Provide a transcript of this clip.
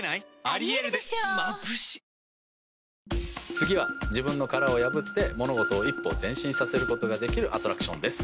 次は自分の殻を破って物事を一歩前進させることができるアトラクションです。